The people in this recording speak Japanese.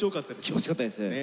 気持ちよかったです。